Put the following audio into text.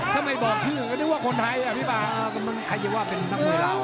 ถ้าไม่บอกชื่อก็นึกว่าคนไทยอ่ะพี่ป่าใครจะว่าเป็นนักมวยเรา